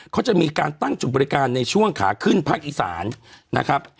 เขาจะมีการตั้งจุดบริการในช่วงขาขึ้นภาคอีสานนะครับ